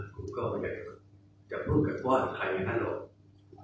ผมก็ไม่อยากพูดกับว่าใครอย่างนั้นหรอก